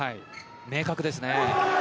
明確ですね。